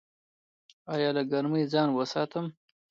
ایا له ګرمۍ ځان وساتم؟